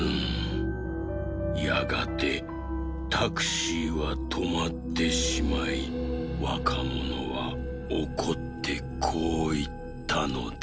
やがてタクシーはとまってしまいわかものはおこってこういったのです。